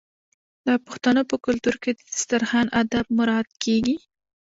د پښتنو په کلتور کې د دسترخان اداب مراعات کیږي.